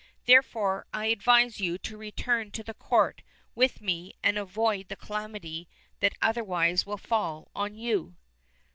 Therefore, I advise you to return to the court with me and avoid the calamity that otherwise will fall on you."